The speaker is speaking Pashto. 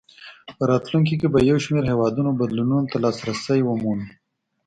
په راتلونکو کې به یو شمېر هېوادونه بدلونونو ته لاسرسی ومومي.